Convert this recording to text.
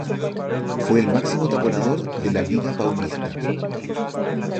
Fue el máximo taponador de la "Liga Paulista".